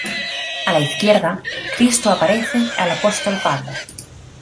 A la izquierda, Cristo aparece al apóstol Pablo.